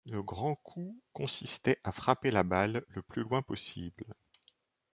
Le grand coup consistait à frapper la balle le plus loin possible.